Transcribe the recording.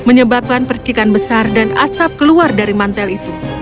menyebabkan percikan besar dan asap keluar dari mantel itu